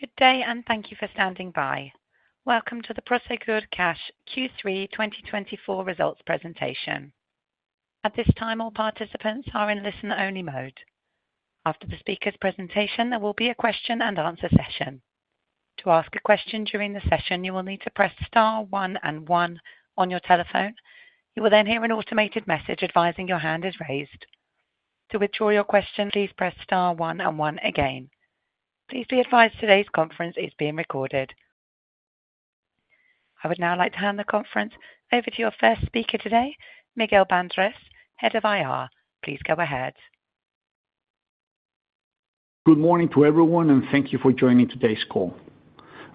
Good day, and thank you for standing by. Welcome to the Prosegur Cash Q3 2024 Results Presentation. At this time, all participants are in listen-only mode. After the speaker's presentation, there will be a question-and-answer session. To ask a question during the session, you will need to press star one and one on your telephone. You will then hear an automated message advising your hand is raised. To withdraw your question, please press star one and one again. Please be advised today's conference is being recorded. I would now like to hand the conference over to your first speaker today, Miguel Bandrés, Head of IR. Please go ahead. Good morning to everyone, and thank you for joining today's call.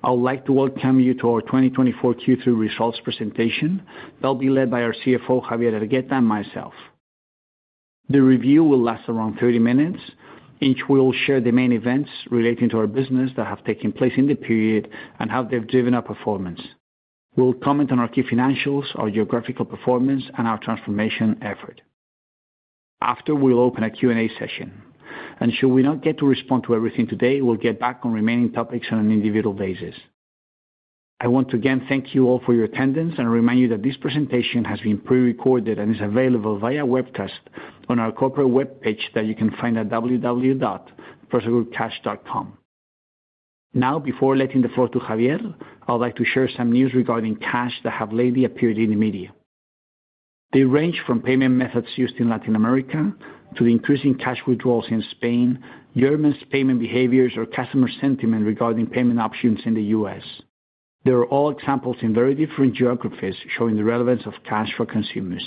I would like to welcome you to our 2024 Q3 results presentation that will be led by our CFO, Javier Hergueta, and myself. The review will last around 30 minutes, in which we will share the main events relating to our business that have taken place in the period and how they've driven our performance. We'll comment on our key financials, our geographical performance, and our transformation effort. After, we'll open a Q&A session. And should we not get to respond to everything today, we'll get back on remaining topics on an individual basis. I want to again thank you all for your attendance and remind you that this presentation has been pre-recorded and is available via webcast on our corporate web page that you can find at www.prosegurcash.com. Now, before letting the floor to Javier, I would like to share some news regarding cash that have lately appeared in the media. They range from payment methods used in Latin America to the increasing cash withdrawals in Spain, Germans' payment behaviors, or customer sentiment regarding payment options in the U.S.. There are all examples in very different geographies showing the relevance of cash for consumers.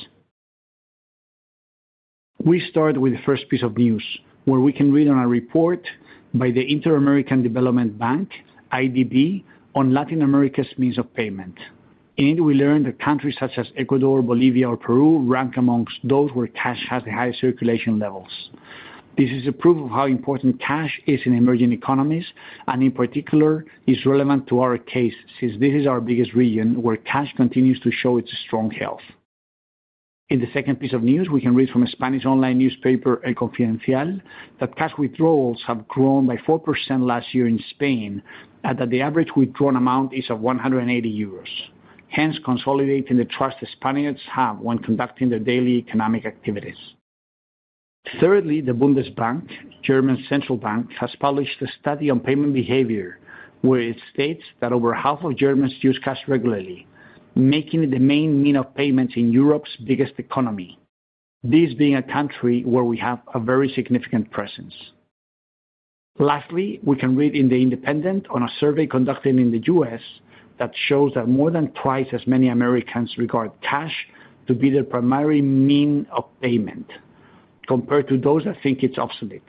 We start with the first piece of news, where we can read on a report by the Inter-American Development Bank, IDB, on Latin America's means of payment. In it, we learn that countries such as Ecuador, Bolivia, or Peru rank among those where cash has the highest circulation levels. This is a proof of how important cash is in emerging economies, and in particular, is relevant to our case since this is our biggest region where cash continues to show its strong health. In the second piece of news, we can read from a Spanish online newspaper, El Confidencial, that cash withdrawals have grown by 4% last year in Spain and that the average withdrawn amount is of 180 euros, hence consolidating the trust Spaniards have when conducting their daily economic activities. Thirdly, the Bundesbank, German central bank, has published a study on payment behavior where it states that over half of Germans use cash regularly, making it the main means of payments in Europe's biggest economy, this being a country where we have a very significant presence. Lastly, we can read in The Independent on a survey conducted in the U.S. that shows that more than twice as many Americans regard cash to be their primary means of payment compared to those that think it's obsolete.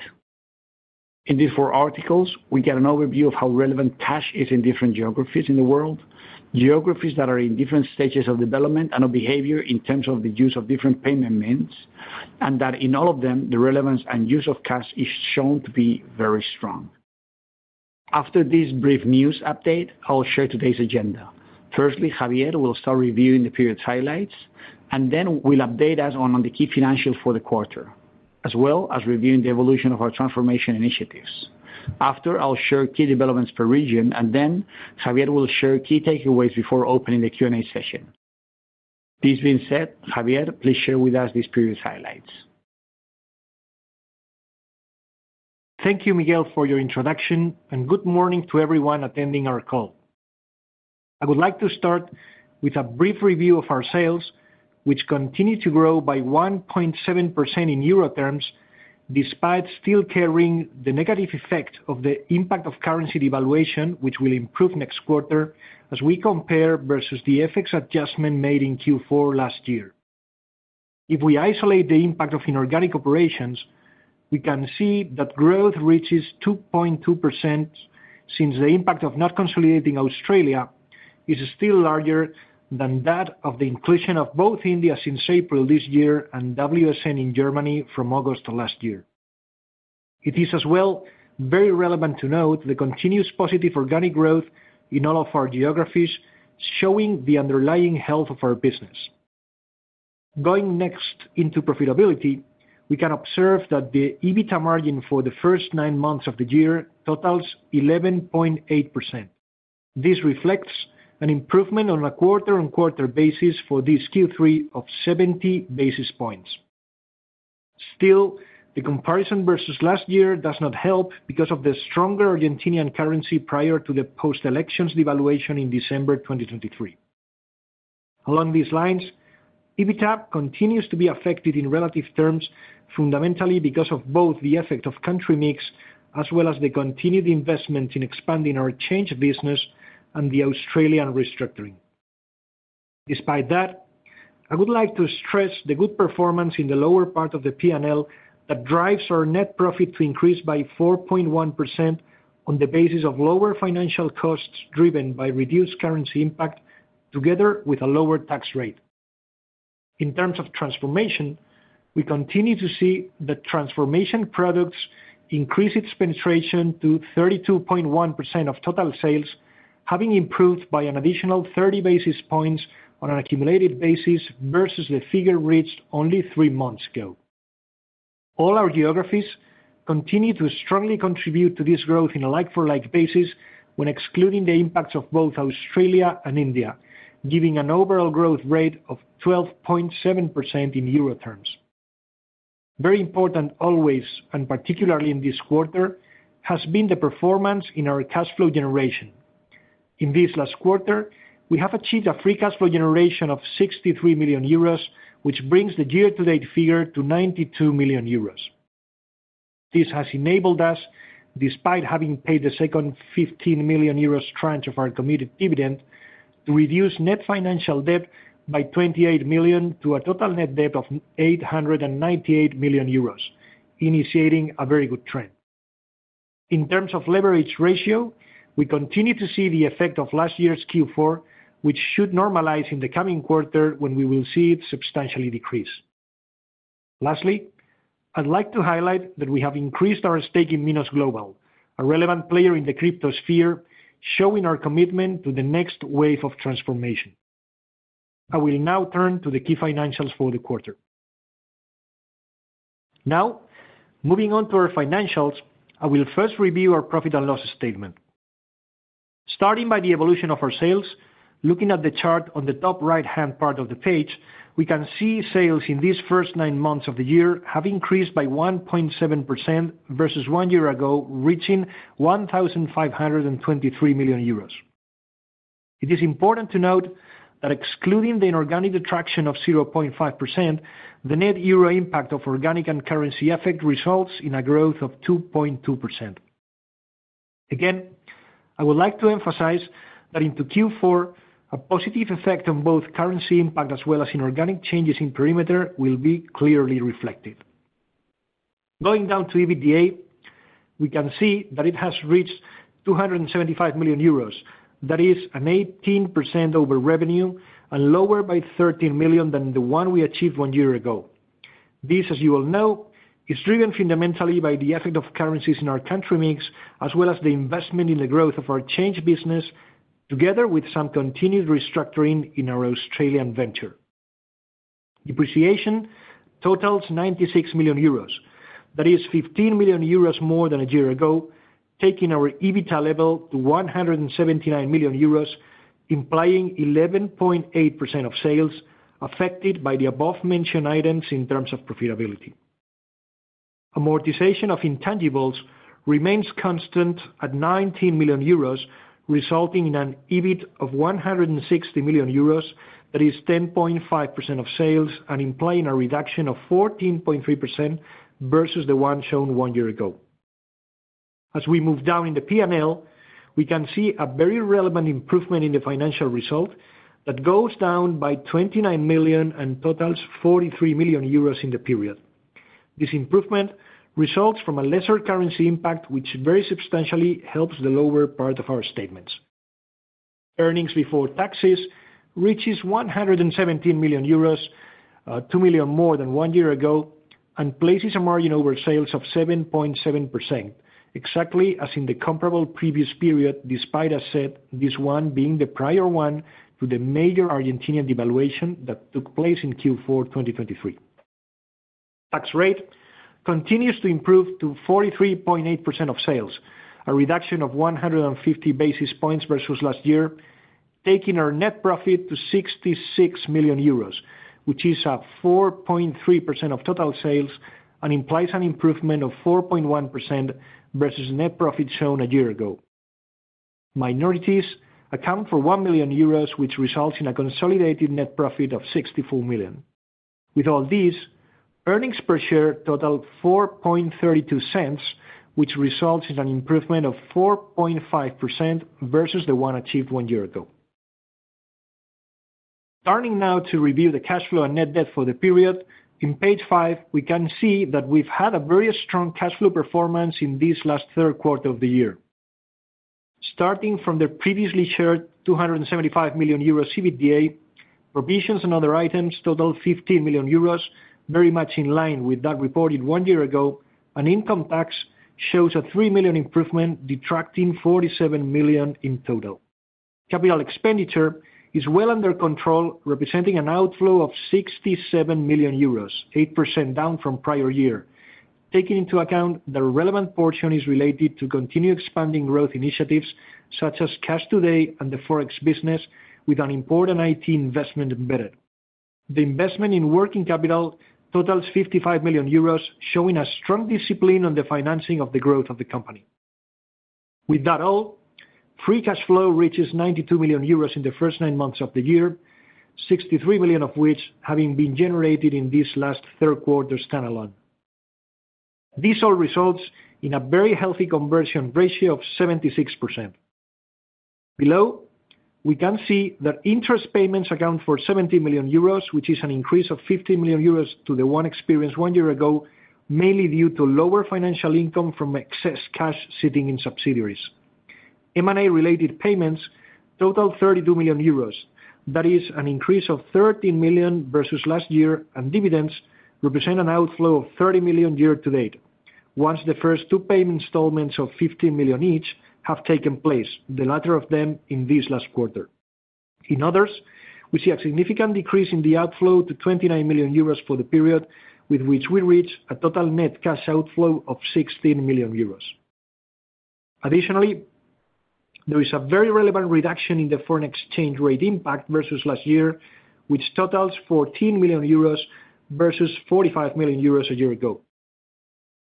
In these four articles, we get an overview of how relevant cash is in different geographies in the world, geographies that are in different stages of development and of behavior in terms of the use of different payment means, and that in all of them, the relevance and use of cash is shown to be very strong. After this brief news update, I will share today's agenda. Firstly, Javier will start reviewing the period's highlights, and then we'll update us on the key financials for the quarter, as well as reviewing the evolution of our transformation initiatives. After, I'll share key developments per region, and then Javier will share key takeaways before opening the Q&A session. This being said, Javier, please share with us these period's highlights. Thank you, Miguel, for your introduction, and good morning to everyone attending our call.I would like to start with a brief review of our sales, which continue to grow by 1.7% in Euro terms despite still carrying the negative effect of the impact of currency devaluation, which will improve next quarter as we compare versus the FX adjustment made in Q4 last year. If we isolate the impact of inorganic operations, we can see that growth reaches 2.2% since the impact of not consolidating Australia is still larger than that of the inclusion of both India since April this year and BSS in Germany from August of last year.It is as well very relevant to note the continuous positive organic growth in all of our geographies, showing the underlying health of our business. Going next into profitability, we can observe that the EBITDA margin for the first nine months of the year totals 11.8%. This reflects an improvement on a quarter-on-quarter basis for this Q3 of 70 basis points. Still, the comparison versus last year does not help because of the stronger Argentinian currency prior to the post-elections devaluation in December 2023. Along these lines, EBITDA continues to be affected in relative terms fundamentally because of both the effect of country mix as well as the continued investment in expanding our change business and the Australian restructuring. Despite that, I would like to stress the good performance in the lower part of the P&L that drives our net profit to increase by 4.1% on the basis of lower financial costs driven by reduced currency impact together with a lower tax rate.In terms of transformation, we continue to see that transformation products increase its penetration to 32.1% of total sales, having improved by an additional 30 basis points on an accumulated basis versus the figure reached only three months ago. All our geographies continue to strongly contribute to this growth in a like-for-like basis when excluding the impacts of both Australia and India, giving an overall growth rate of 12.7% in euro terms. Very important always, and particularly in this quarter, has been the performance in our cash flow generation. In this last quarter, we have achieved a free cash flow generation of 63 million euros, which brings the year-to-date figure to 92 million euros. This has enabled us, despite having paid the second 15 million euros tranche of our committed dividend, to reduce net financial debt by 28 million to a total net debt of 898 million euros, initiating a very good trend. In terms of leverage ratio, we continue to see the effect of last year's Q4, which should normalize in the coming quarter when we will see it substantially decrease. Lastly, I'd like to highlight that we have increased our stake in Minos Global, a relevant player in the crypto sphere, showing our commitment to the next wave of transformation. I will now turn to the key financials for the quarter. Now, moving on to our financials, I will first review our profit and loss statement. Starting by the evolution of our sales, looking at the chart on the top right-hand part of the page, we can see sales in these first nine months of the year have increased by 1.7% versus one year ago, reaching 1,523 million euros. It is important to note that excluding the inorganic detraction of 0.5%, the net euro impact of organic and currency effect results in a growth of 2.2%.Again, I would like to emphasize that into Q4, a positive effect on both currency impact as well as inorganic changes in perimeter will be clearly reflected. Going down to EBITDA, we can see that it has reached 275 million euros, that is an 18% over revenue and lower by 13 million than the one we achieved one year ago. This, as you all know, is driven fundamentally by the effect of currencies in our country mix as well as the investment in the growth of our cash business, together with some continued restructuring in our Australian venture. Depreciation totals 96 million euros, that is 15 million euros more than a year ago, taking our EBITDA level to 179 million euros, implying 11.8% of sales affected by the above-mentioned items in terms of profitability. Amortization of intangibles remains constant at 19 million euros, resulting in an EBIT of 160 million euros, that is 10.5% of sales, and implying a reduction of 14.3% versus the one shown one year ago. As we move down in the P&L, we can see a very relevant improvement in the financial result that goes down by 29 million and totals 43 million euros in the period. This improvement results from a lesser currency impact, which very substantially helps the lower part of our statements. Earnings before taxes reaches 117 million euros, 2 million more than one year ago, and places a margin over sales of 7.7%, exactly as in the comparable previous period, despite, as said, this one being the prior one to the major Argentine devaluation that took place in Q4 2023. Tax rate continues to improve to 43.8% of sales, a reduction of 150 basis points versus last year, taking our net profit to 66 million euros, which is a 4.3% of total sales and implies an improvement of 4.1% versus net profit shown a year ago. Minorities account for 1 million euros, which results in a consolidated net profit of 64 million. With all these, earnings per share total 0.0432, which results in an improvement of 4.5% versus the one achieved one year ago. Turning now to review the cash flow and net debt for the period, in page five, we can see that we've had a very strong cash flow performance in this last third quarter of the year. Starting from the previously shared 275 million euro EBITDA, provisions and other items total 15 million euros, very much in line with that reported one year ago, and income tax shows a 3 million improvement, detracting 47 million in total. Capital expenditure is well under control, representing an outflow of 67 million euros, 8% down from prior year, taking into account that a relevant portion is related to continued expanding growth initiatives such as Cash Today and the Forex business, with an important IT investment embedded. The investment in working capital totals 55 million euros, showing a strong discipline on the financing of the growth of the company. With that all, free cash flow reaches 92 million euros in the first nine months of the year, 63 million of which having been generated in this last third quarter standalone. This all results in a very healthy conversion ratio of 76%. Below, we can see that interest payments account for 17 million euros, which is an increase of 15 million euros to the one experienced one year ago, mainly due to lower financial income from excess cash sitting in subsidiaries. M&A-related payments total 32 million euros, that is an increase of 13 million versus last year, and dividends represent an outflow of 30 million year to date, once the first two payment installments of 15 million each have taken place, the latter of them in this last quarter. In others, we see a significant decrease in the outflow to 29 million euros for the period, with which we reach a total net cash outflow of 16 million euros. Additionally, there is a very relevant reduction in the foreign exchange rate impact versus last year, which totals 14 million euros versus 45 million euros a year ago.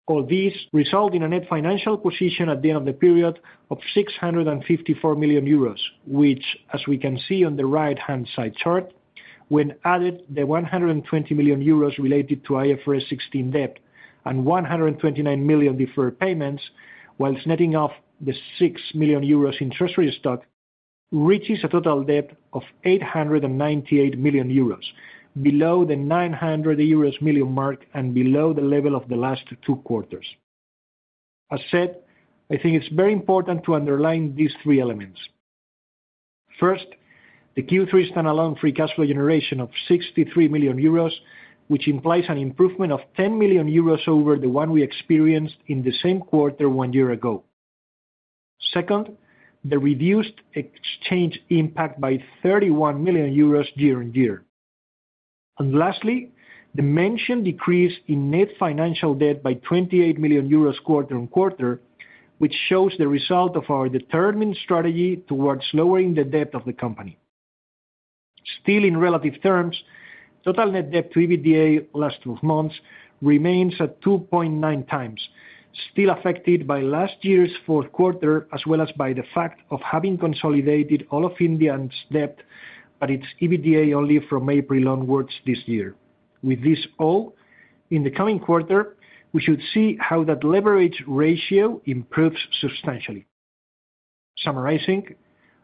All these result in a net financial position at the end of the period of 654 million euros, which, as we can see on the right-hand side chart, when added the 120 million euros related to IFRS 16 debt and 129 million deferred payments, while netting off the 6 million euros in treasury stock, reaches a total debt of 898 million euros, below the 900 million euros mark and below the level of the last two quarters. As said, I think it's very important to underline these three elements. First, the Q3 standalone free cash flow generation of 63 million euros, which implies an improvement of 10 million euros over the one we experienced in the same quarter one year ago. Second, the reduced exchange impact by 31 million euros year on year. Lastly, the mentioned decrease in net financial debt by 28 million euros quarter on quarter, which shows the result of our determined strategy towards lowering the debt of the company. Still in relative terms, total net debt to EBITDA last 12 months remains at 2.9x, still affected by last year's fourth quarter as well as by the fact of having consolidated all of India's debt, but its EBITDA only from April onwards this year. With this all, in the coming quarter, we should see how that leverage ratio improves substantially. Summarizing,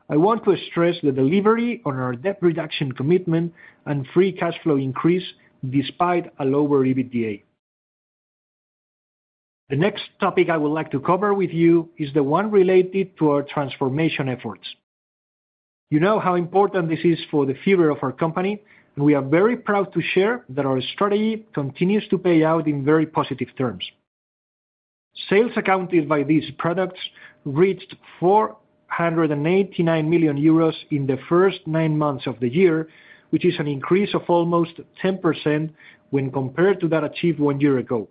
I want to stress the delivery on our debt reduction commitment and free cash flow increase despite a lower EBITDA. The next topic I would like to cover with you is the one related to our transformation efforts. You know how important this is for the future of our company, and we are very proud to share that our strategy continues to pay out in very positive terms. Sales accounted by these products reached 489 million euros in the first nine months of the year, which is an increase of almost 10% when compared to that achieved one year ago.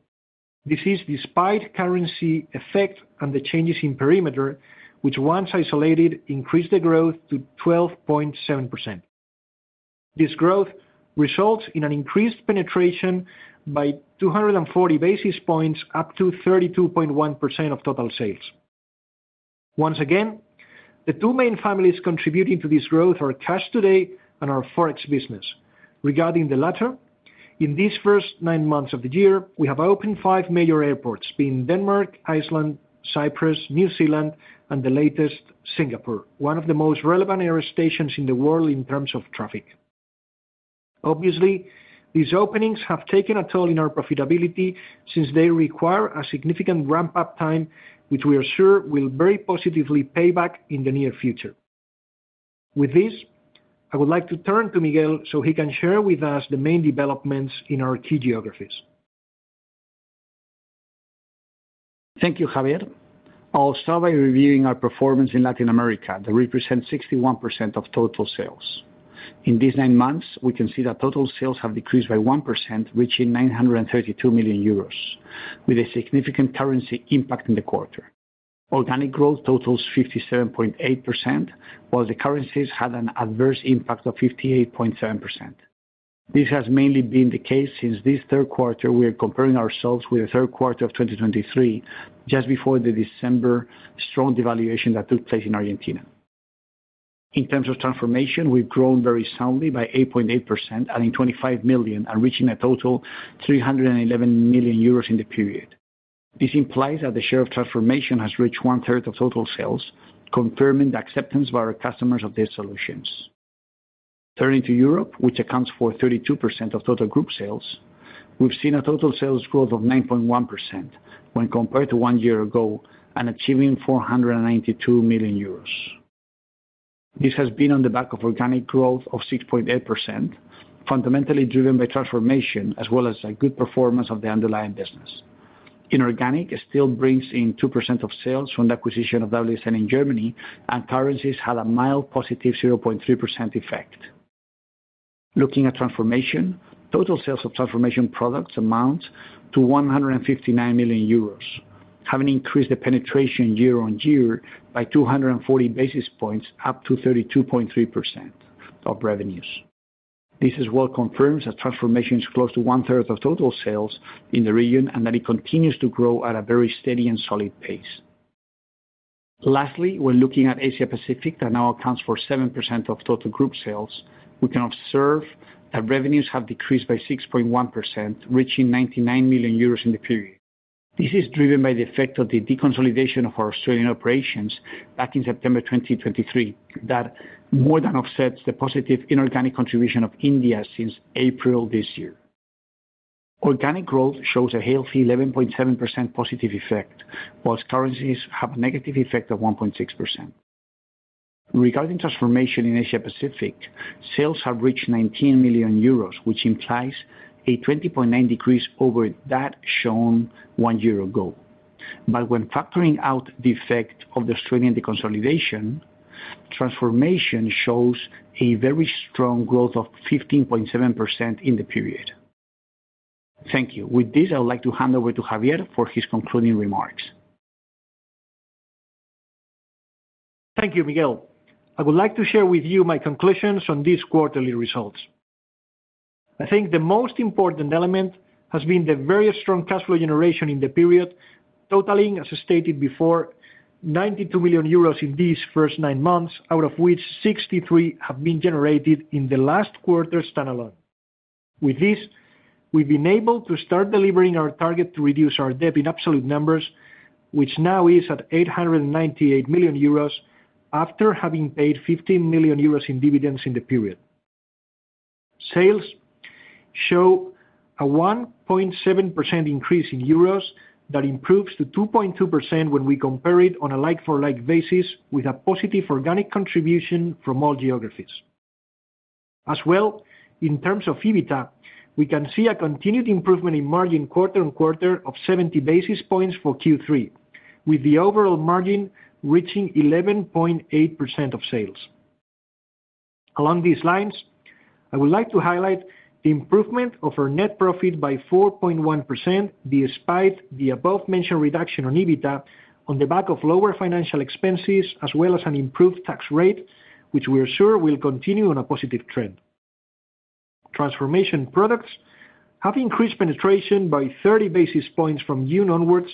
This is despite currency effect and the changes in perimeter, which once isolated increased the growth to 12.7%. This growth results in an increased penetration by 240 basis points up to 32.1% of total sales. Once again, the two main families contributing to this growth are Cash Today and our Forex business. Regarding the latter, in these first nine months of the year, we have opened five major airports, being Denmark, Iceland, Cyprus, New Zealand, and the latest, Singapore, one of the most relevant air stations in the world in terms of traffic. Obviously, these openings have taken a toll in our profitability since they require a significant ramp-up time, which we are sure will very positively pay back in the near future. With this, I would like to turn to Miguel so he can share with us the main developments in our key geographies. Thank you, Javier. I'll start by reviewing our performance in Latin America, that represents 61% of total sales. In these nine months, we can see that total sales have decreased by 1%, reaching 932 million euros, with a significant currency impact in the quarter. Organic growth totals 57.8%, while the currencies had an adverse impact of 58.7%. This has mainly been the case since this third quarter we are comparing ourselves with the third quarter of 2023, just before the December strong devaluation that took place in Argentina. In terms of transformation, we've grown very soundly by 8.8%, adding 25 million and reaching a total 311 million euros in the period. This implies that the share of transformation has reached one-third of total sales, confirming the acceptance by our customers of these solutions. Turning to Europe, which accounts for 32% of total group sales, we've seen a total sales growth of 9.1% when compared to one year ago and achieving 492 million euros. This has been on the back of organic growth of 6.8%, fundamentally driven by transformation as well as a good performance of the underlying business. Inorganic still brings in 2% of sales from the acquisition of WSN in Germany, and currencies had a mild positive 0.3% effect. Looking at transformation, total sales of transformation products amounts to 159 million euros, having increased the penetration year on year by 240 basis points up to 32.3% of revenues. This is well confirmed as transformation is close to one-third of total sales in the region and that it continues to grow at a very steady and solid pace. Lastly, when looking at Asia Pacific, that now accounts for 7% of total group sales, we can observe that revenues have decreased by 6.1%, reaching 99 million euros in the period. This is driven by the effect of the deconsolidation of our Australian operations back in September 2023, that more than offsets the positive inorganic contribution of India since April this year. Organic growth shows a healthy 11.7% positive effect, while currencies have a negative effect of 1.6%. Regarding transformation in Asia Pacific, sales have reached 19 million euros, which implies a 20.9% decrease over that shown one year ago, but when factoring out the effect of the Australian deconsolidation, transformation shows a very strong growth of 15.7% in the period. Thank you. With this, I would like to hand over to Javier for his concluding remarks. Thank you, Miguel. I would like to share with you my conclusions on these quarterly results. I think the most important element has been the very strong cash flow generation in the period, totaling, as stated before, 92 million euros in these first nine months, out of which 63 million have been generated in the last quarter standalone. With this, we've been able to start delivering our target to reduce our debt in absolute numbers, which now is at 898 million euros after having paid 15 million euros in dividends in the period. Sales show a 1.7% increase in euros that improves to 2.2% when we compare it on a like-for-like basis with a positive organic contribution from all geographies. As well, in terms of EBITDA, we can see a continued improvement in margin quarter on quarter of 70 basis points for Q3, with the overall margin reaching 11.8% of sales. Along these lines, I would like to highlight the improvement of our net profit by 4.1% despite the above-mentioned reduction on EBITDA on the back of lower financial expenses, as well as an improved tax rate, which we are sure will continue on a positive trend. Transformation products have increased penetration by 30 basis points from June onwards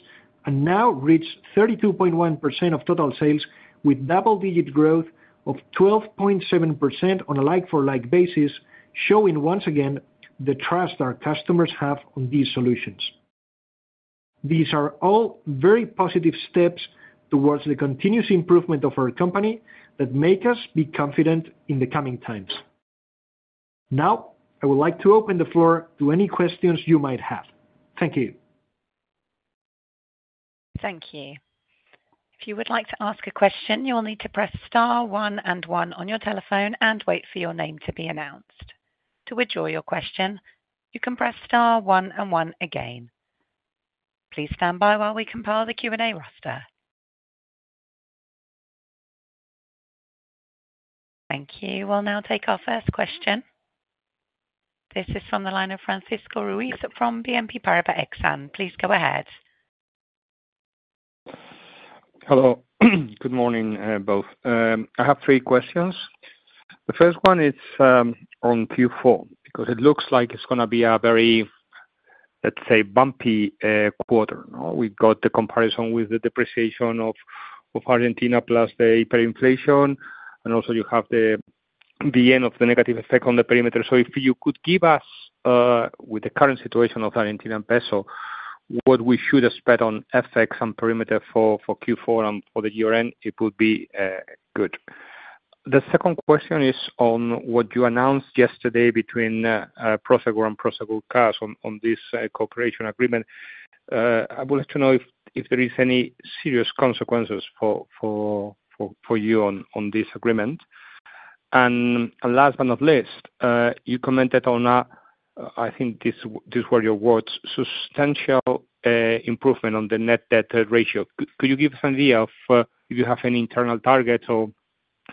and now reach 32.1% of total sales, with double-digit growth of 12.7% on a like-for-like basis, showing once again the trust our customers have on these solutions. These are all very positive steps towards the continuous improvement of our company that make us be confident in the coming times. Now, I would like to open the floor to any questions you might have. Thank you. Thank you. If you would like to ask a question, you will need to press star one and one on your telephone and wait for your name to be announced. To withdraw your question, you can press star one and one again. Please stand by while we compile the Q&A roster. Thank you. We'll now take our first question. This is from the line of Francisco Ruiz from BNP Paribas Exane.Please go ahead. Hello. Good morning, both. I have three questions. The first one is on Q4 because it looks like it's going to be a very, let's say, bumpy quarter. We've got the comparison with the depreciation of Argentina plus the hyperinflation, and also you have the end of the negative effect on the perimeter. So if you could give us, with the current situation of the Argentine peso, what we should expect on effects and perimeter for Q4 and for the year-end, it would be good. The second question is on what you announced yesterday between Prosegur and Prosegur Cash on this cooperation agreement. I would like to know if there are any serious consequences for you on this agreement. And last but not least, you commented on, I think these were your words, substantial improvement on the net debt ratio. Could you give us an idea of if you have any internal targets or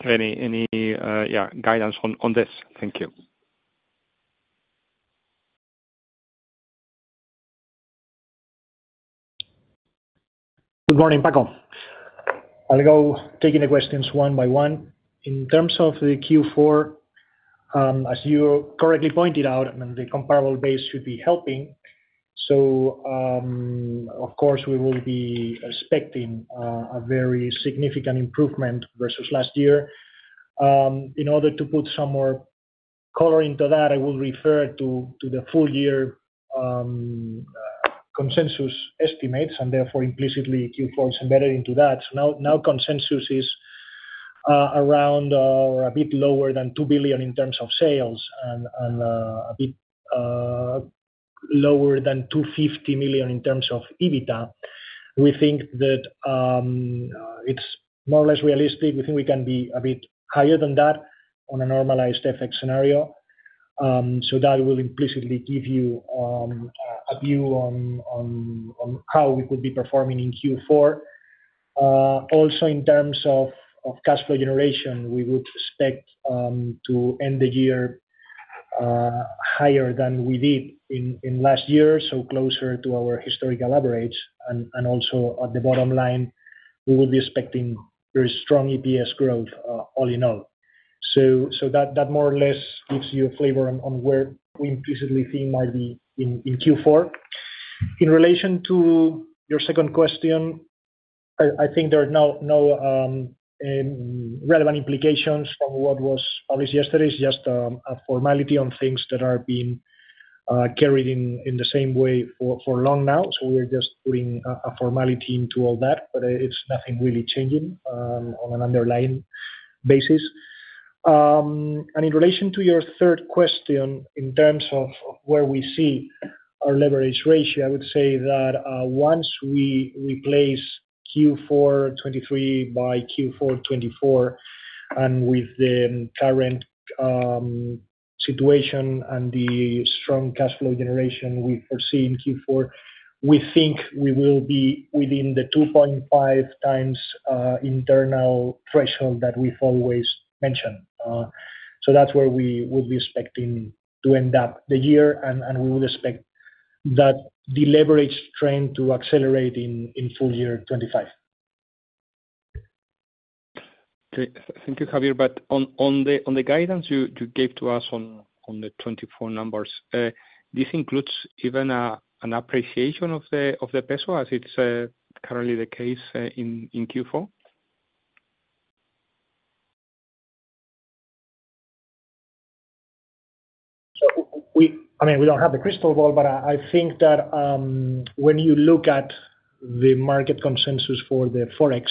any, yeah, guidance on this? Thank you. Good morning, Paco. I'll go taking the questions one by one. In terms of the Q4, as you correctly pointed out, I mean, the comparable base should be helping. So, of course, we will be expecting a very significant improvement versus last year. In order to put some more color into that, I will refer to the full-year consensus estimates, and therefore, implicitly, Q4 is embedded into that. So now consensus is around or a bit lower than 2 billion in terms of sales and a bit lower than 250 million in terms of EBITDA. We think that it's more or less realistic. We think we can be a bit higher than that on a normalized effect scenario. That will implicitly give you a view on how we could be performing in Q4. Also, in terms of cash flow generation, we would expect to end the year higher than we did in last year, so closer to our historical average. Also, at the bottom line, we will be expecting very strong EPS growth all in all. That more or less gives you a flavor on where we implicitly think might be in Q4. In relation to your second question, I think there are no relevant implications from what was published yesterday. It's just a formality on things that are being carried in the same way for long now. We're just putting a formality into all that, but it's nothing really changing on an underlying basis. In relation to your third question, in terms of where we see our leverage ratio, I would say that once we replace Q4 2023 by Q4 2024, and with the current situation and the strong cash flow generation we foresee in Q4, we think we will be within the 2.5x internal threshold that we've always mentioned. That's where we would be expecting to end up the year, and we would expect that the leverage trend to accelerate in full year 2025. Thank you, Javier. On the guidance you gave to us on the 2024 numbers, this includes even an appreciation of the peso as it's currently the case in Q4? I mean, we don't have the crystal ball, but I think that when you look at the market consensus for the Forex,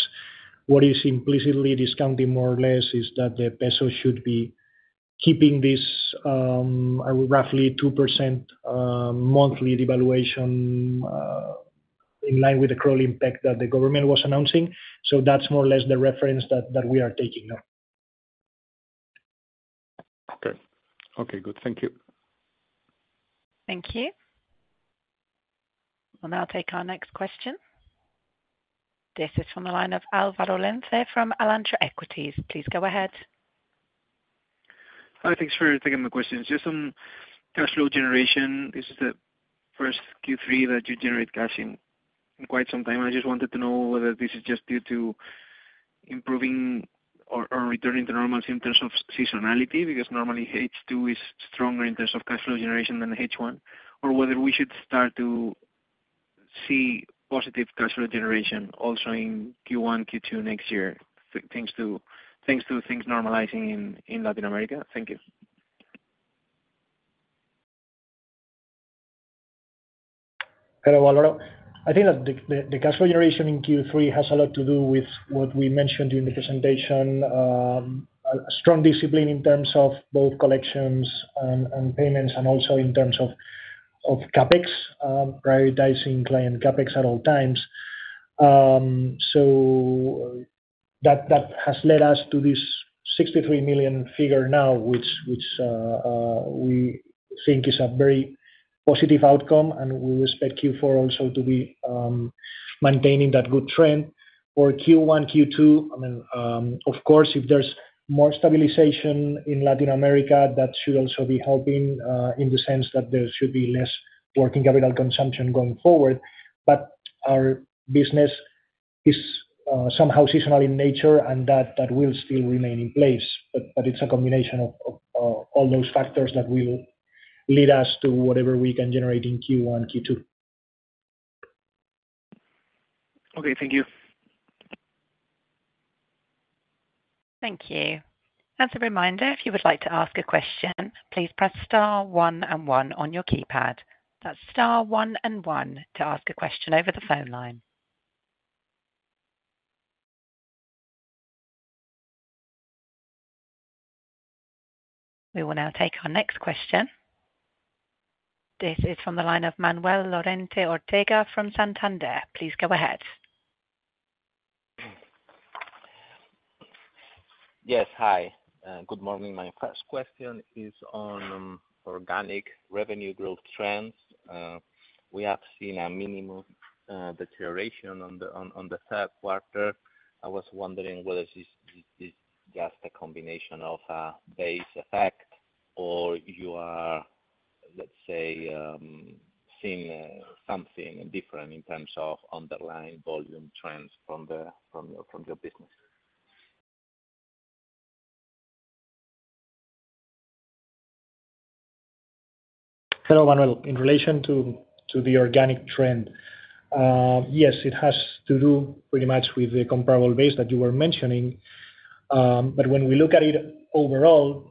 what is implicitly discounting more or less is that the peso should be keeping this roughly 2% monthly devaluation in line with the crawl impact that the government was announcing. So that's more or less the reference that we are taking now. Okay. Okay. Good. Thank you. Thank you. We'll now take our next question. This is from the line of Álvaro Lenze from Alantra. Please go ahead. Hi. Thanks for taking my question. It's just some cash flow generation. This is the first Q3 that you generate cash in quite some time.I just wanted to know whether this is just due to improving or returning to normalcy in terms of seasonality because normally H2 is stronger in terms of cash flow generation than H1, or whether we should start to see positive cash flow generation also in Q1, Q2 next year thanks to things normalizing in Latin America. Thank you. Hello, Álvaro. I think that the cash flow generation in Q3 has a lot to do with what we mentioned during the presentation: a strong discipline in terms of both collections and payments, and also in terms of CapEx, prioritizing client CapEx at all times. So that has led us to this 63 million figure now, which we think is a very positive outcome, and we will expect Q4 also to be maintaining that good trend. For Q1, Q2, I mean, of course, if there's more stabilization in Latin America, that should also be helping in the sense that there should be less working capital consumption going forward. But our business is somehow seasonal in nature, and that will still remain in place. But it's a combination of all those factors that will lead us to whatever we can generate in Q1, Q2. Okay. Thank you. Thank you. As a reminder, if you would like to ask a question, please press star one and one on your keypad. That's star one and one to ask a question over the phone line. We will now take our next question. This is from the line of Manuel Lorente Ortega from Santander. Please go ahead. Yes. Hi. Good morning. My first question is on organic revenue growth trends. We have seen a minimum deterioration on the third quarter.I was wondering whether this is just a combination of a base effect or you are, let's say, seeing something different in terms of underlying volume trends from your business. Hello, Manuel. In relation to the organic trend, yes, it has to do pretty much with the comparable base that you were mentioning. But when we look at it overall,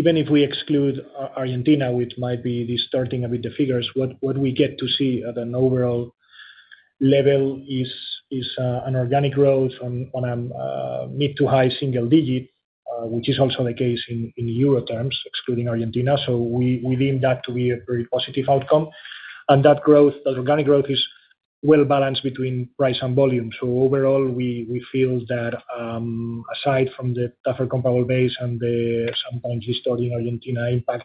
even if we exclude Argentina, which might be distorting a bit the figures, what we get to see at an overall level is an organic growth on a mid- to high-single-digit, which is also the case in euro terms, excluding Argentina. So we deem that to be a very positive outcome. And that growth, that organic growth, is well balanced between price and volume. So overall, we feel that aside from the tougher comparable base and the sometimes distorting Argentina impact,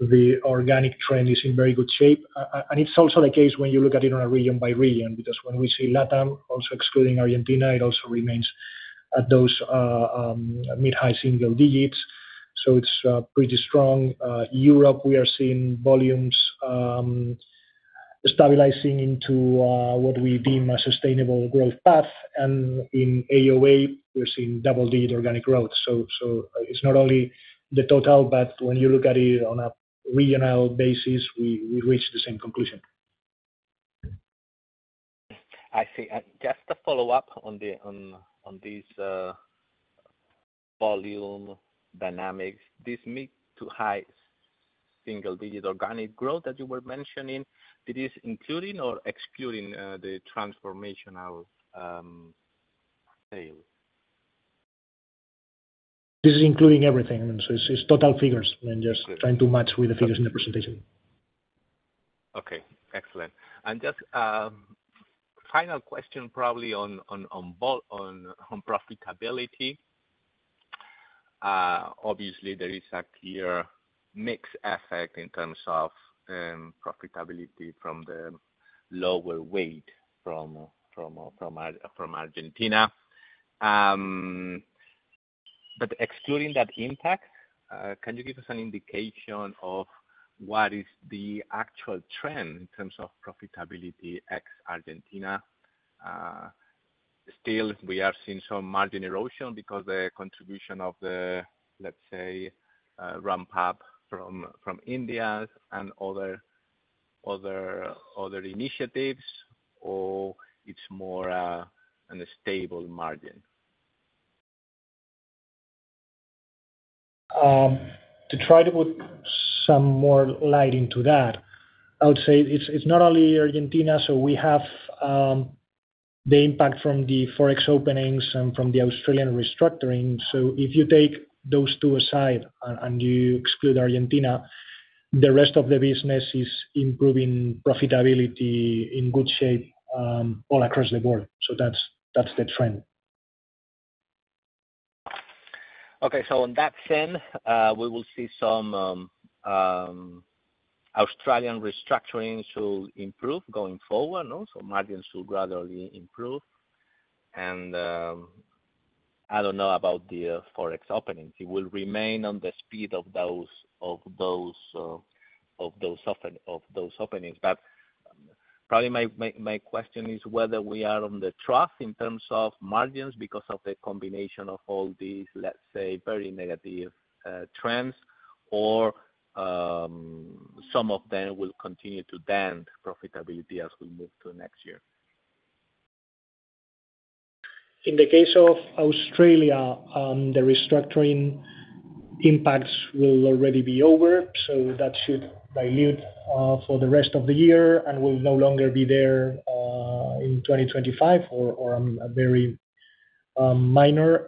the organic trend is in very good shape, and it's also the case when you look at it on a region by region because when we see LATAM, also excluding Argentina, it also remains at those mid-high single digits, so it's pretty strong. Europe, we are seeing volumes stabilizing into what we deem a sustainable growth path. And in AOA, we're seeing double-digit organic growth, so it's not only the total, but when you look at it on a regional basis, we reach the same conclusion. I see. Just to follow up on these volume dynamics, this mid to high single-digit organic growth that you were mentioning, it is including or excluding the transformational sales? This is including everything. So it's total figures. I'm just trying to match with the figures in the presentation. Okay. Excellent. And just final question, probably on profitability. Obviously, there is a clear mixed effect in terms of profitability from the lower weight from Argentina. But excluding that impact, can you give us an indication of what is the actual trend in terms of profitability ex Argentina? Still, we are seeing some margin erosion because of the contribution of the, let's say, ramp-up from India and other initiatives, or it's more of a stable margin? To try to put some more light into that, I would say it's not only Argentina. So we have the impact from the Forex openings and from the Australian restructuring. So if you take those two aside and you exclude Argentina, the rest of the business is improving profitability in good shape all across the board. So that's the trend. Okay.On that trend, we will see some Australian restructuring to improve going forward, so margins will gradually improve. I don't know about the Forex openings. It will remain on the speed of those openings. But probably my question is whether we are on the trough in terms of margins because of the combination of all these, let's say, very negative trends, or some of them will continue to dent profitability as we move to next year. In the case of Australia, the restructuring impacts will already be over, so that should dilute for the rest of the year and will no longer be there in 2025 or a very minor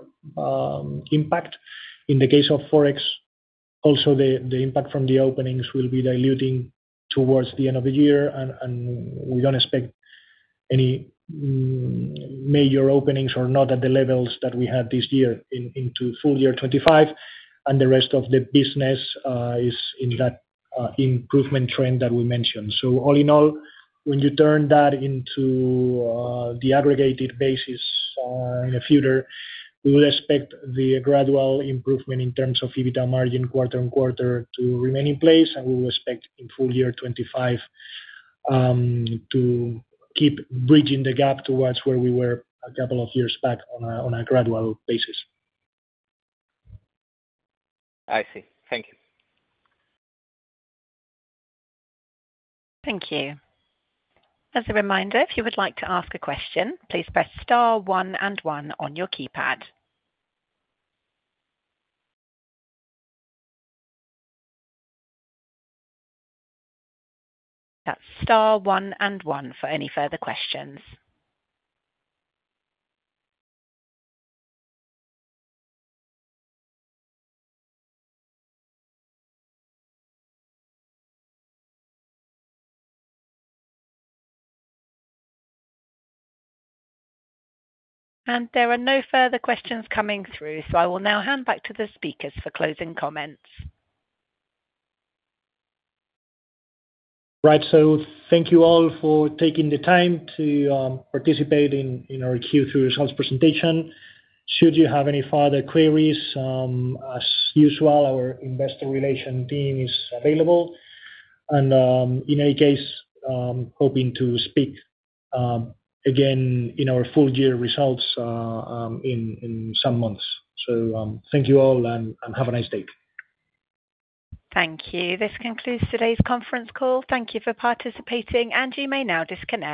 impact. In the case of Forex, also the impact from the openings will be diluting towards the end of the year. And we don't expect any major openings, or not at the levels that we had this year, into full year 2025. And the rest of the business is in that improvement trend that we mentioned. So all in all, when you turn that into the aggregated basis in the future, we would expect the gradual improvement in terms of EBITDA margin quarter on quarter to remain in place. And we will expect in full year 2025 to keep bridging the gap towards where we were a couple of years back on a gradual basis. I see. Thank you. Thank you. As a reminder, if you would like to ask a question, please press star one and one on your keypad. That's star one and one for any further questions. And there are no further questions coming through. So I will now hand back to the speakers for closing comments. Right. So thank you all for taking the time to participate in our Q3 results presentation. Should you have any further queries, as usual, our investor relations team is available. And in any case, hoping to speak again in our full year results in some months. So thank you all and have a nice day. Thank you. This concludes today's conference call. Thank you for participating. And you may now disconnect.